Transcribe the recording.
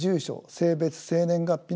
性別生年月日の基本